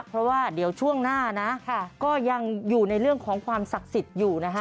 เพราะว่าเดี๋ยวช่วงหน้านะก็ยังอยู่ในเรื่องของความศักดิ์สิทธิ์อยู่นะฮะ